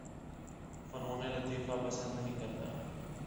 فنون لطیفہ پسند نہیں کرتا